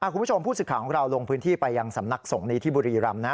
คุณผู้ชมผู้สื่อข่าวของเราลงพื้นที่ไปยังสำนักสงฆ์นี้ที่บุรีรำนะ